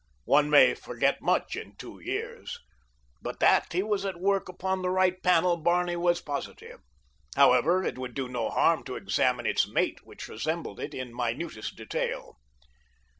One may forget much in two years; but that he was at work upon the right panel Barney was positive. However, it would do no harm to examine its mate which resembled it in minutest detail.